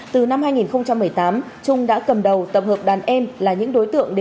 từ năm hai nghìn một mươi tám trung đã cầm đầu tập hợp đàn em là những đối tượng